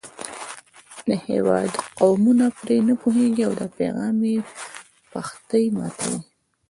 د هېواد قومونه پرې نه پوهېږي او دا پیغام یې پښتۍ ماتوي.